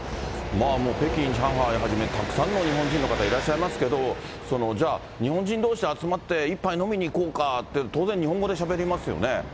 もう北京、上海はじめ、たくさんの日本人の方いらっしゃいますけど、じゃあ日本人どうし集まって、一杯飲みに行こうかって、当然日本語でしゃべりますよね。